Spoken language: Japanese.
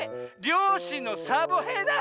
りょうしのサボへいだ！